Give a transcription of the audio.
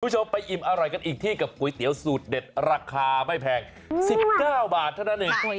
คุณผู้ชมไปอิ่มอร่อยกันอีกที่กับก๋วยเตี๋ยวสูตรเด็ดราคาไม่แพง๑๙บาทเท่านั้นเอง